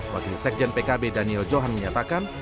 wakil sekjen pkb daniel johan menyatakan